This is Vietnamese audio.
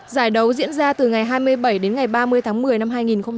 giải đấu diễn ra từ ngày hai mươi bảy đến ngày ba mươi tháng một mươi năm hai nghìn một mươi tám